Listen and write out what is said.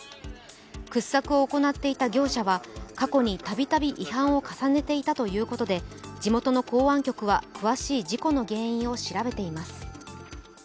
掘削を行っていた業者は過去に度々違反を重ねていたということで地元の公安局は詳しい事故の原因を調べています。